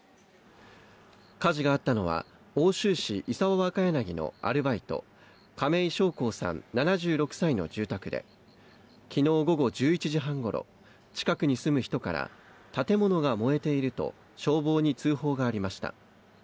火事があったのは奥州市胆沢若柳のアルバイト、亀井松光さん、７６歳の住宅で、昨日午後１１時半頃、近くに住む人から、建物が燃えていると消防に通報がありました。